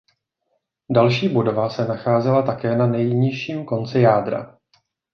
Další budova se nacházela také na nejnižším konci jádra.